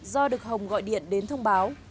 do đức hồng gọi điện đến thông báo